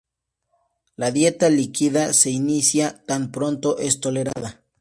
La dieta líquida se inicia tan pronto es tolerada.